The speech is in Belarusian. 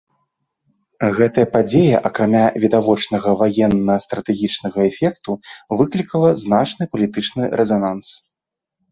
Гэтая падзея, акрамя відавочнага ваенна-стратэгічнага эфекту, выклікала значны палітычны рэзананс.